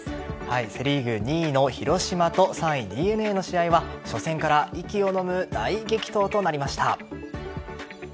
セ・リーグ２位の広島と３位・ＤｅＮＡの試合は初戦から息をのむ大激闘となりました。